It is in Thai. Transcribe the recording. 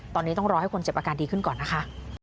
ตอนนี้ต้องรอให้คนเจ็บอาการดีขึ้นก่อนนะคะ